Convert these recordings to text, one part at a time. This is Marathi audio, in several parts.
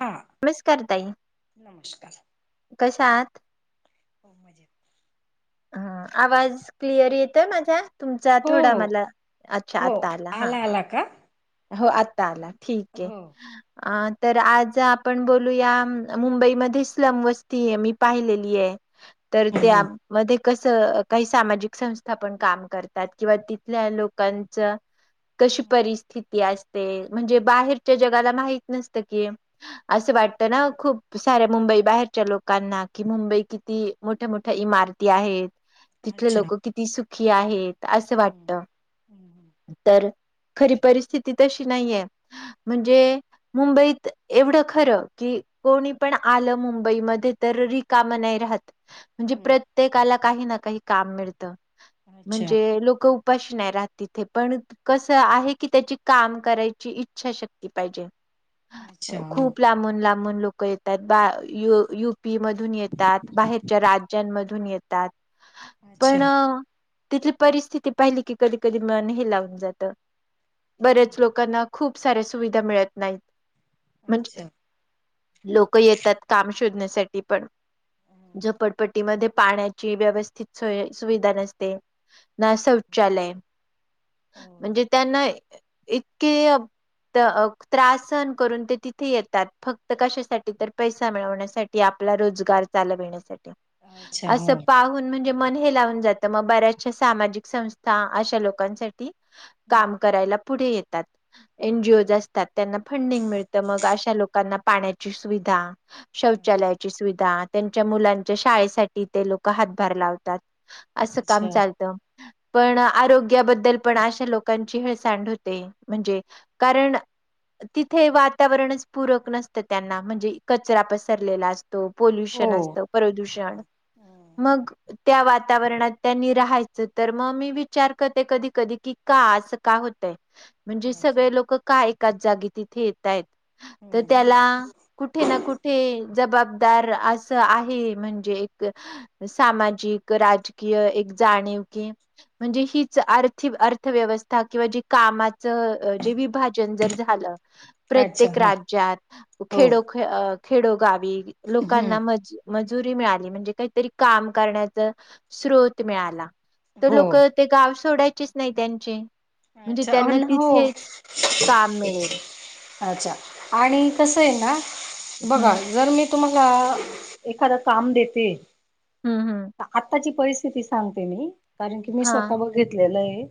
हा मिस करताई नमस्कार कशा आहात. हो. हं आवाज क्लिअर येतोय माझा तुमचा हो थोडा हो मला अच्छा हो आता आला हा हा आला का हो आता आला ठीक आहे. हो अ तर आज आपण बोलू या मुंबईमध्ये स्लम वस्ती आहे मी पाहिलेली आहे. तर त्या. हो मध्ये कसं काही सामाजिक संस्था पण काम करतात किंवा तिथल्या लोकांच. कशी परिस्थिती असते म्हणजे बाहेरच्या जगाला माहित नसत की. असं वाटतं ना खूप साऱ्या मुंबई बाहेरच्या लोकांना कि मुंबई किती. मोठ्या मोठ्या इमारती आहेत. तिथले अच्छा लोक किती सुखी आहेत असं हम्म वाटत हम्म तर. खरी परिस्थिती तशी नाहीये म्हणजे मुंबईत एवढं खरं की. कोणी पण आलं मुंबईमध्ये तर रिकाम नाहि राहात. म्हणजे हम्म प्रत्येकाला काही ना काही काम मिळत अच्छा म्हणजे लोक. उपाशी नाही राहत तिथे पण कस आहे. कि त्याची काम करायची इच्छा शक्ती पाहिजे अच्छा ह खूप लांबून लांबून लोक. लोक येतात बा य युपी मधून येतात बाहेरच्या राज्यांमधून येतात. अच्छा पण तिथली परिस्थिती पाहिली की कधी कधी मन हे लावून जात. हो बर्याच हो लोकांना खूप सऱ्या सुविधा मिळत नाहीत म्हणजे अच्छा लोक येतात काम शोधण्यासाठी पण हो झोपडपटी पाण्याची व्यवस्थित सुविधा नसते ना शौचालय हो म्हणजे त्यांना इतके त्रास सहन करून ते तिथे येतात फक्त कशासाठी तर पैसा मिळवण्यासाठी आपला रोजगार चालण्यासाठी अच्छा हो असं पाह म्हणजे मन हे लावून जात मग बऱ्याचशा सामाजिक संस्था अशा लोकांसाठी काम हम्म करायला पुढे येतात एन जीओज असतात. त्यांना फंडिंग मिळत म अशा लोकांना पाण्याची सुविधा अच्छा शौचालयाची सुविधा त्यांच्या मुलांच्या शाळेसाठी ते लोक हातभार लावतात असं काम अच्छा चालतं पण हम्म आरोग्याबद्दल पण अशे लोक कंचिहळ सँड होते म्हणजे कारण. तिथे वातावरणच पूरक नसतं त्यांना म्हणजे कचरा पसरलेला असत हो पोल्युशन असत हम्म प्रदूषण हम्म मग त्या वातावरणात त्यांनी राहायचं तर मग मी विचार करते कधी कधी की का असं का होतय म्हणजे अच्छा सगळे लोक का एकाच जागी तिथे येतय तर हम्म त्याला कुठे ना कुठे जबाबदार असं आहे म्हणजे एक सामाजिक राजकीय एक जाणीव की म्हणजे हीच आर्थिकर्थ अर्थव्यवस्था किंवा जी कामाचं जे विभाजन जर झालं अच्छा प्रत्येक हा राज्यात हो खेडो खेडोगावी लोकांना हम्म मज मजुरी मिळाली म्हणजे काहीतरी काम करण्याचा स्रोत मिळाला तर हो लोक ते गाव सोडायचेच नाही त्यांची अच्छा अर ना हो काम मिळेल. अच्छा आणि कसं आहे ना हम्म बघा जर मी तुमला एखाद काम देते हम्म हम्म आताची पथ स्िती सांगते मी कारण की मी हा स्वतः बघेतलेलं आहे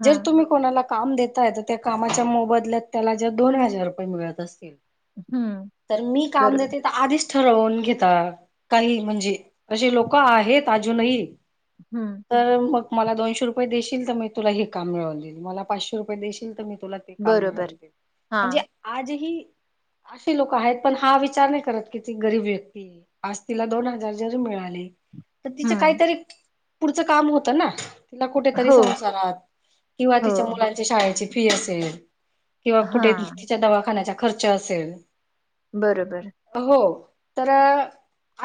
हा जर तुम्ही कोणाला काम देताय तर त्या कामाच्या मोबदल्यात त्याला ज्या दोन हजार रुपये मिळत असतील हम्म तर मी काम बरोबर देते आधीच ठरवून घेतात काही म्हणजे असे लोक आहेत अजूनही हम्म तर मग मला दोनशे रुपये देशील तर मी तुला हे काम मिळवल मला पाचशे रुपये देशील तर मी तुला काम बरोबर हा म्हणजे आजही अशी लोक आहेत पण हा विचार नाही करत कीती गरीब येती आज तिला दोन हजार जरी मिळाले तर तिचं हम्म काहीतरी पुढचं काम होतं ना तिला कुठेतरी हो संसारात किंवा हो तिच्या मुलांची शाळेची फी असेल किंवा हा कुठे तिच्या दवाखान्याच्या खर्च असेल बरोबर हो तर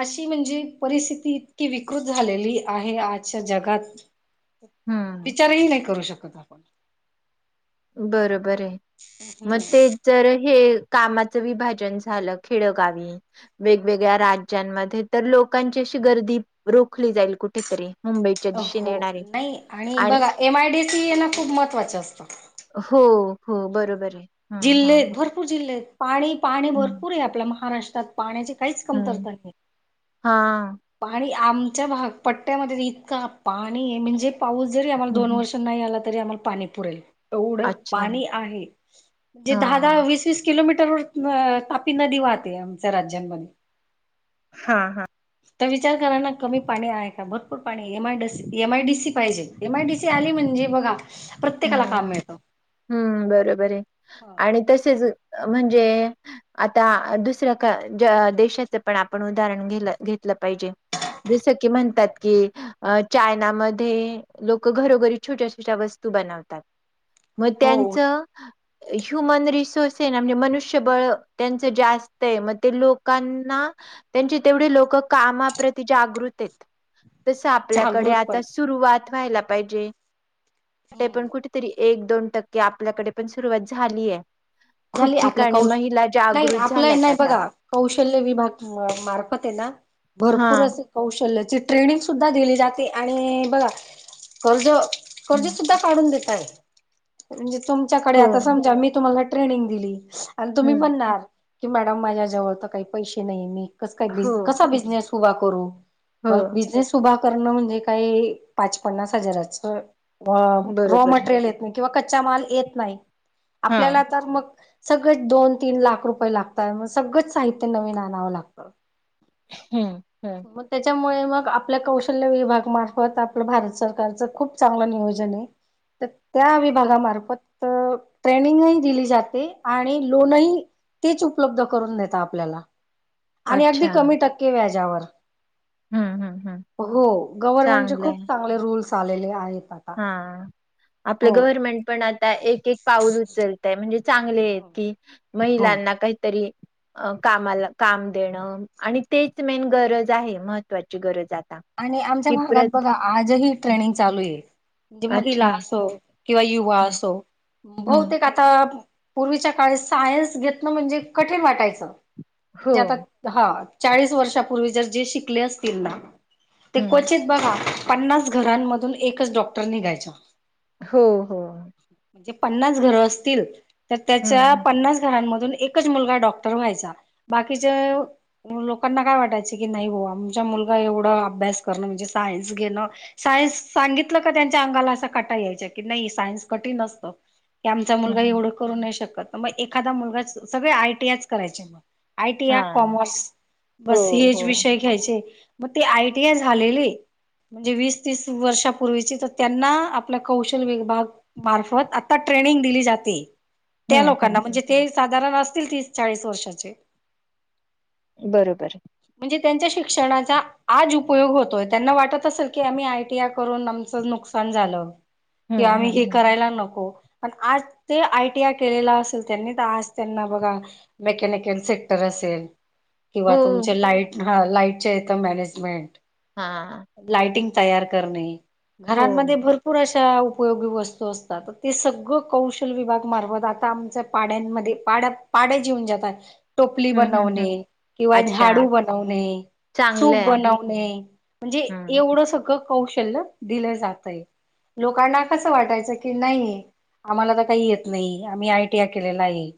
अशी म्हणजे परिस्थिती इतकी विकृत झालेली आहे आजच्या जगात हम्म विचारही नाही करू शकत आपण बरोबर आहे हम्म, मग ते तरर हे कामाचं विभाजन झालं खेडगावी वेगवेगळ्या राज्यांमध्ये तर लोकांची अशी गर्दी रोखली जाईल कुठेतरी मुंबईच्या दिशेने हो येणारी नाही आणि बघा एम आय डी सी यांना खूप महत्त्वाचं असतं हो हो बरोबर आहे. हं जिल्हे हं आहेत भरपूर जिल्हे आहेत पाणी पाणी हं भरपूर आहे आपल्या महाराष्ट्रात पाण्याची काहीच हं कमतरता आहे हां पाणी आमच्या भाग पट्ट्यामध्ये इतका पाणी म्हणजे पाऊस जरी आम्हाला हं, दोन हं. वर्ष आ तरी आम पा पुरेल एवढ अच्छा पाणी आहेण दहा द हां वस वीस किलोमीटर व तापी नदी वाहते आमच्या राज्यांमध्ये हा हा तर विचार करा ना कमी पाणी आहे का भरपूर पाणी एम आयी एमआय डीसी पाहिजे एम आयडीी सी आली म्हणजे बघा प्रत्येकाला हम्म काम मिळतं. हम्म बरोबर आहे आणि तसेच म्हणजे आता दुसऱ्या देशाचं पण आपण उदाहरण घेतलं पाहिजे जसं की म्हणतात की अ चायनामध्ये लोक घरोघरी छोट्या छोट्या वस्तू तू बनवतात मग त्यांच हो ह्युमन रिसोर्स हेना म्हणजे मनुष्यबळ त्यांचं जास्त हाय मग ते लोकांना - - त्यांची तेवढी लोक कामाप्रती जागृतहेत. तस आपल्याकडे जागृत आता सुरुवात व्हायला पाहिजे. पण कुठेतरी एक दोन टक्के आपल्याकडे पण सुरुवात झालीय. खूप झाली आपलं ठिकाणी कौश महिला - - नाही आपलं नाही बघा कौशल्य विभाग मार्फत हेना भरपूर हा असं कौशल्याची ट्रेनिंग सुद्धा दिली जाते आणि बघा कर्ज - - कर्ज सुद्धा काढून देतय म्हणजे तुमच्याकडे हो आता समजा मी तुम्हाला ट्रेनिंग दिली आणि तुम्ही हम्म. म्हणणार की मॅडम माझ्या जवळ तर काही पैसे नाही मी स का बि हो. कसा बिझनेस उभा करू हो मग बिझनेस उभा करण म्हणजे काही पाच पन्नास हजारच रॉ रॉ बरोबर मटरियल येत नाही. किंवा कच्चा माल येत नाही. हा. आपल्याला - - तर मग सगळेंच दोन, तीन लाख रुपये लागतात. मग सगळंच साहित्य नवीन आणावं लागतं. [inaudible] हम्म, हम्म. मग त्याच्यामुळे मग आपल्या कौशल्य विभागमार्फत आपलं भारत सरकारच खूप चांगलं नियोजनए. तर त्या विभागामार्फत ट्रेनिंगही दिली जाते आणि लोनही तेच उपलब्ध करून देत आपल्याला. आणि अगदी अच्छा कमी टक्के व्याजावर. हम्म हम्म हम्म हो. गव्हर्मेंटचे खूप चांगलंय चांगले रूल्स आलेले आहेत आता. आपलं हो गवर्नमेंट पण आता एक एक पाऊल उचलत म्हणजे चांगलं [unintelligible] की हो महिलांना काहीतरी अ कामाला काम देणं आणि तेच मेन गरज आहे. महत्त्वाची गरज आहे. आणि आमच्या भागात बघा आजही ट्रेनिंग चालूए. ती महिला अच्छा असो किंवा युवा हम्म असो हम्म बहुतेक आ आता पूर्वीच्या काळे सायन्स घेतणं म्हणजे कठीण वाटायचं हो म्हणजे आता हा चाळीस वर्षापूर्वी जर जे शिकले असतील ना. ते हम्म क्वचित बघा पन्नास घरांमधून एकच डॉक्टर निघायच्या. हो, हो. म्हणे पन्नास घर असतील तर हम्म त्याच्या हम्म पन्नास घरांमधून एक - - एक मुलगा डॉक्टर व्हायचा. बाकीच - लोकांना काय वाटायच की नाही बुआ आमचा मुलगा एवढं अभ्यास करणं म्हणजे सायन्स घेणं - - सायन्स सांगितलं का त्यांच्या अंगाला असा कटा यायच्या की नाही सायन्स कठीण असतं. की आमचा मुलगा हम्म. एवढं करू नाही शकत. मग एखादा मुलगाच सगळे आयटीआयच करायचे. हा आयटीया, कॉमर्स हो बस हो हेच विषय घ्यायचे म ती आयटीआय झालेली म्हणजे वीस, तीस वर्षापूर्वीची तर त्यांना आपला कौशल विभाग मार्फत आता ट्रेनिंग दिली जाते. हम्म त्या हम्म लोकांना हम्म. म्हणजे ते साधारण असतील तीस चाळीस वर्षाचे. बरोबर. म्हणजे त्यांच्या शिक्षणाचा - - आज उपयोग होतोय. त्यांना वाटत असेल की आम्ही आयटीआय करून आमचं नुकसान झालं. हम्म कि आम्ही हे - हम्म - हम्म. करायला नको. प आज ते आयटीआय केलेला असेल त्यांनी तर आज त्यांना बघा - - मेकॅनिकल सेक्टर असेल. किंवा हो तुमचे लाईट ह लाईटच्या यथं मॅनेजमेंट. हा. लायटिंग तयार करणे. हो घरांमध्ये भरपूर अस उपयोगी वस्तू असतात. ते सगळं कौशल विभाग मार्फत आता आमच्या पाड्यांमध्ये पाड्या - - पाडे जिवन जातात. टोपली हम्म हम्म हम्म बनवणे किंवा अच्छा झाडू बनवणे. चांगलं सूप आहे बनवणे म्हणजे हम्म एवढं सगळं कौशल्य दिलं जात आहे [unintelligible] आम्हांला तर काही येत नाही आम्ही आयटीआय केलेला आहे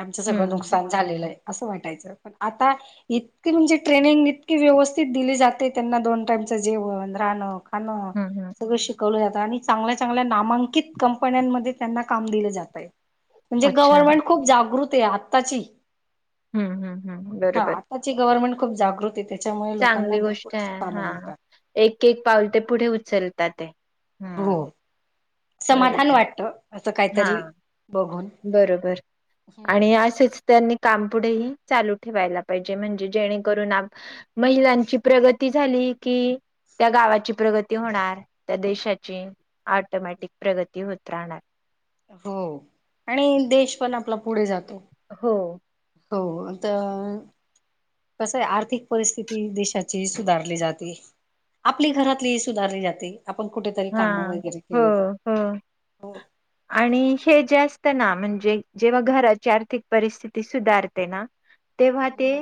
आमचं हम्म सगळं नुकसान झालेलं आहे असं वाटायचं पण आता इतके म्हणजे ट्रेनिंग इतकी व्यवस्थ दिली जाते त्यांना दोन टाईमच जेवण राहणं खाणं हम्म हम्म हम्म. सगळं श [inaudible] आणि चांगल्या चांगल्या नामांकित कंपन्यांमध्ये त्यांना काम दिले जातंय म्हणजे अच्छा गव्हर्मेंट खूप जागृत आहे आत्ताची हम्म हम्म हम् बरोबर प गवर्नमेंट खूप जागृत त्यांच्यामुळे चांगली गोष्ट आहे हा एक एक पाऊल ते पुढे उचलतात ते हम्म हो समाधान बरोबर वाटत असं हा काहीतरी बघून बरोबर आणि असंच त्यांनी काम पुढेही चालू ठेवायला पाहिजे म्हणजे जेणेकरून महिलांची प्रगती झाली कि त्या गावाची प्रगती होणार त्या देशांची ऑटोमॅटिक प्रगती होत राहणार हो आणि देश पण आपला पुढे जातो हो होता कसं आहे आर्थिक परिस्थिती देशांची सुधारली जाते आपली घरातली सुधारली जाते आपण कुठेतरी हा काम वगैरे हो केले तर हो. हो आणि हे जेस्त ना म्हणजे जेव्हा घराची आर्थिक परिस्थिती सुधारते ना तेव्हा ते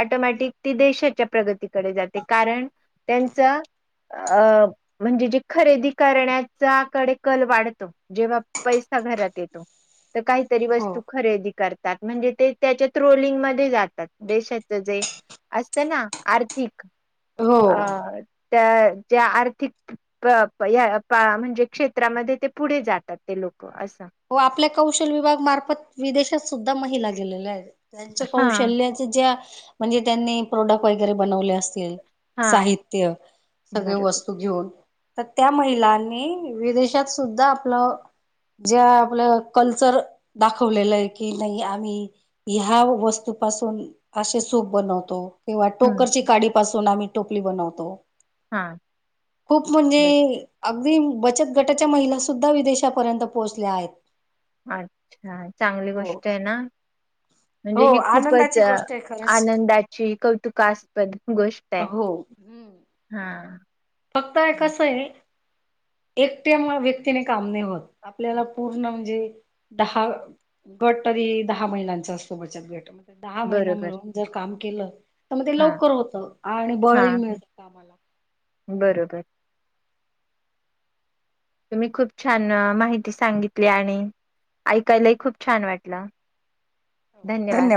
ऑटोमॅटिक ती देशाच्या प्रगतीकडे जाते कारण त्यांचा म्हणजे जे खरेदी करण्याचाकडे कल वाढतो जेव्हा पैसा घरात काहीतरी हो वस्तू खरेदी करतात म्हणजे ते त्याच्या ट्रोलिंग मध्यें जातात देशाच जे असतं ना आर्थिक हो अ त्या ज्या आर्थिक [inaudible] म्हणजे क्षेत्रांमध्ये ते पुढे जातात ते लोक असं व आपल्या कौशल विभाग मार्फत विदेशात सुद्धां महिला गेलेल्या आहेत त्यांच्या हां, कौशल्य ज्या म्हणजे त्यांनी प्रोडक्ट वगैरे बनवले असतील हां. साहित्य सगळे बरोबर. वस्तू घेऊन तर त्या महिलांनी विदेशात सुद्धा आपलं जे आपलं कल्चर दाखवलेलं आहे की नाही आम्ही ह्या वस्तूंपासून असे सूप बनवतो किंवा हं. टोकरची काडी पासून आम्ही टोपली बनवतो हां. खूप म्हणजे बरं. अगदी बचत गटांच्या महिला सुुद्धा विदेशापर्यंत पोहोचल्या आहेत अच्छा चांगली हो गोष्ट आहे ना म्हणजे हो ही आनंदाची खूपचं गोष्ट आहे खरंच. आनंदाची कौतुकास्पद गोष्ट आहे हो हा फक्त आहे कसं आहे एकट्या व्यक्तीने काम नाही होत आपल्याला पूर्ण म्हणजे दहा गट तरी दहा महिन्यांचा असतो बचत गट दहा महिना बरोबर. मिळून जर काम केलं तर मग ते हां, लवकर होतं आणि बळही हां, हं. मिळतं कामाला बरोबर तुम्ही खूप छान माहिती सांगितली आणि ऐकायलाही खूप छान वाटलं धन्यवाद